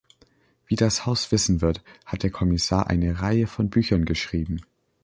Wie das Haus wissen wird, hat der Kommissar eine Reihe von Büchern geschrieben.